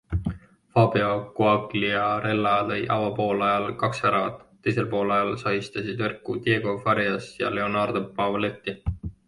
Fabio Quagliarella lõi avapoolajal kaks väravat, teisel poolajal sahistasid võrku Diego Farias ja Leonardo Pavoletti.